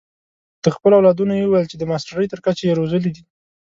د خپلو اولادونو یې وویل چې د ماسټرۍ تر کچې یې روزلي دي.